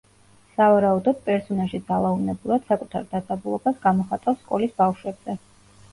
სავარაუდოდ, პერსონაჟი ძალაუნებურად, საკუთარ დაძაბულობას გამოხატავს სკოლის ბავშვებზე.